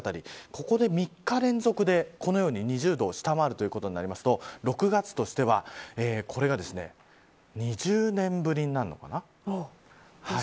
ここで３日連続で２０度を下回るということになりますと６月としてはこれが２０年ぶりになるのかな。